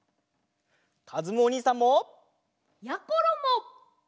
かずむおにいさんも！やころも！